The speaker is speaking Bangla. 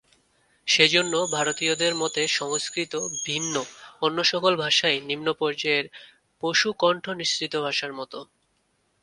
সেজন্য ভারতীয়দের মতে সংস্কৃত ভিন্ন অন্য সকল ভাষাই নিম্নপর্যায়ের পশুকণ্ঠ-নিঃসৃত ভাষার মত।